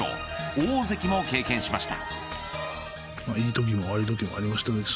大関も経験しました。